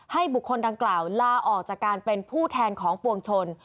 บุคคลดังกล่าวลาออกจากการเป็นผู้แทนของปวงชน